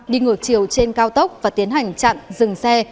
đi ngược chiều trên cao tốc và tiến hành chặn dừng xe